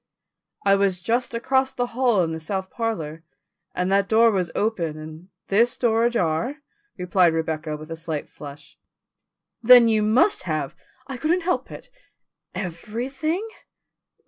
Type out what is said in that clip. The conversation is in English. "I was just across the hall in the south parlour, and that door was open and this door ajar," replied Rebecca with a slight flush. "Then you must have " "I couldn't help it." "Everything?"